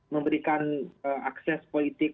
memberikan akses politik